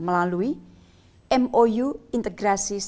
melalui mou integrasi sistem informasi